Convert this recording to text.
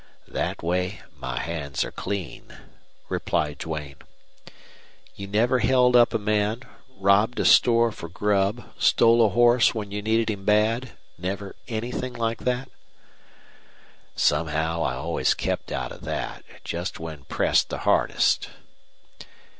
"That way my hands are clean," replied Duane. "You never held up a man, robbed a store for grub, stole a horse when you needed him bad never anything like that?" "Somehow I always kept out of that, just when pressed the hardest."